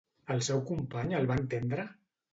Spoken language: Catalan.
El seu company el va entendre?